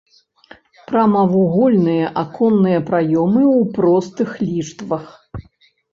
Прамавугольныя аконныя праёмы ў простых ліштвах.